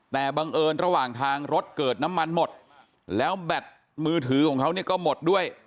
แต่บังเอิญระหว่างทางรถเกิดน้ำมันหมดแล้วแบตมือถือของเขาเนี่ยก็หมดด้วย